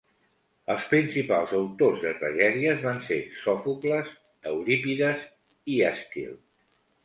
Els principals autors de tragèdies van ser Sòfocles, Eurípides i Èsquil.